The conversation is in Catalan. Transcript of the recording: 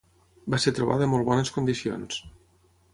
Va ser trobada en molt bones condicions.